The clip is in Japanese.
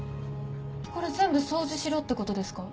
これ全部掃除しろってことですか？